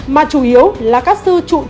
mà chủ yếu là các sư trung tâm